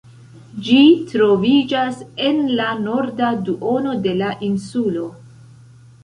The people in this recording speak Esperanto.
Ĝi troviĝas en la norda duono de la insulo.